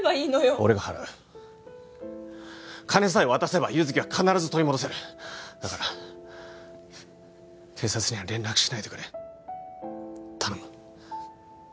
俺が払う金さえ渡せば優月は必ず取り戻せるだから警察には連絡しないでくれ頼む